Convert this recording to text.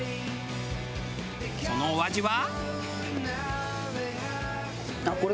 そのお味は？